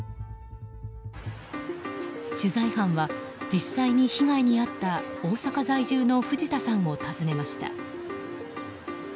取材班は、実際に被害に遭った大阪在住の藤田さんを訪ねました。